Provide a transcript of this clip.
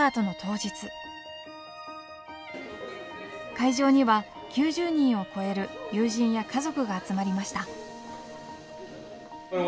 会場には９０人を超える友人や家族が集まりました。